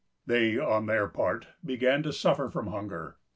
They, on their part, began to suffer from hunger.